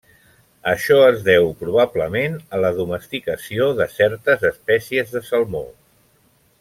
Això es deu probablement a la domesticació de certes espècies de salmó.